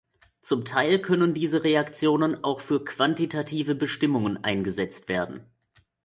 Zum Teil können diese Reaktionen auch für quantitative Bestimmungen eingesetzt werden.